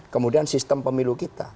kemudian sistem pemilu kita